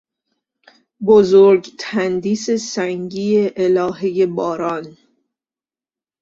بزرگ تندیس سنگی الههی باران